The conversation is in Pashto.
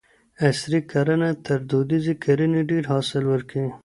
عصري کرنه تر دودیزې کرني ډیر حاصل ورکوي.